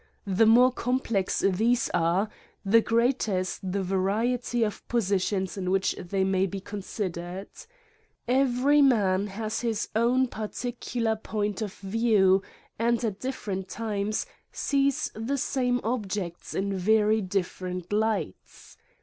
The more complex these are, the greater is the variety of positions in which thej^ may be considered. Every man hath his own particular point of view, and, at different times, sees the same objects in very different lights.